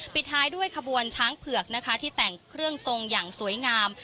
ปิดท้ายด้วยขบวนช้างเผือกนะคะที่แต่งเครื่องทรงอย่างสวยงาม